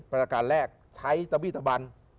ปราการแรกใช้ตะวิตบัน